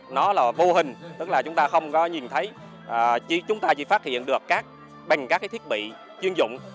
nó là vô hình tức là chúng ta không có nhìn thấy chứ chúng ta chỉ phát hiện được bằng các thiết bị chuyên dụng